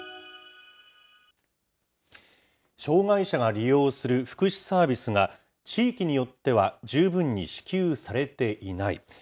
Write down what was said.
障害者が利用する福祉サービスが、地域によっては十分に支給されていない。